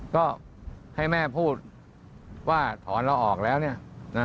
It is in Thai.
ก็ให้แม่พูดว่าถอนเราออกแล้วเนี่ย